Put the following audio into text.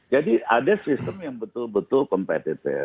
jadi ada sistem yang betul betul kompetitif